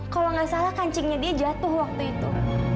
kalau nggak salah kancingnya dia jatuh waktu itu